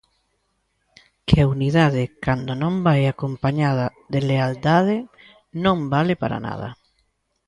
Que a unidade cando non vai acompañada de lealdade non vale para nada.